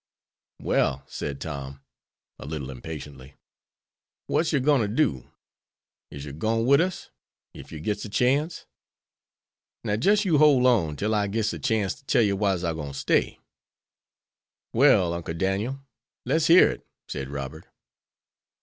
"Well," said Tom, a little impatiently, "what's yer gwine to do? Is yer gwine wid us, ef yer gits a chance?" "Now, jes' you hole on till I gits a chance to tell yer why I'se gwine to stay." "Well, Uncle Daniel, let's hear it," said Robert.